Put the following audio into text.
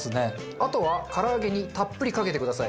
あとは唐揚げにたっぷりかけてください。